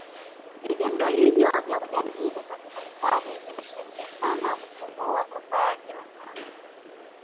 Vitendo hivyo vya ujangili katika hifadhi vinacahangia sana kupungua kwa baadhi ya wanyama